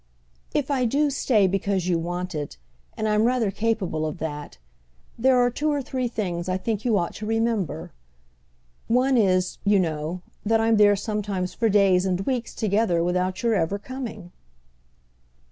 "If I do stay because you want it—and I'm rather capable of that—there are two or three things I think you ought to remember. One is, you know, that I'm there sometimes for days and weeks together without your ever coming."